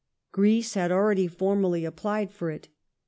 Greece had already formally i applied for it.